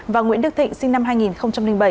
và nguyễn đức thịnh sinh năm hai nghìn bảy